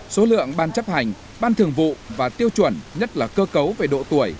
số lượng ban chấp hành ban thường vụ và tiêu chuẩn nhất là cơ cấu về độ tuổi